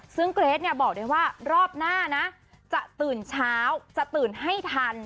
ซึ่งเกรทบอกได้ว่ารอบหน้านะจะตื่นเช้าจะตื่นให้ทัน